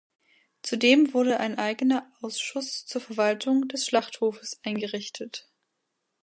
Zudem wurde ein eigener Ausschuss zur Verwaltung des Schlachthofes eingerichtet.